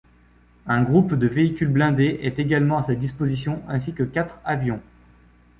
Un groupe de véhicules blindés est également à sa disposition ainsi que quatre avions.